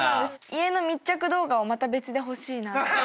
家の密着動画をまた別で欲しいな。